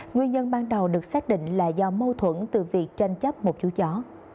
nguyên nhân ban đầu được xác định là do mâu thuẫn từ việc tranh chấp một chú chó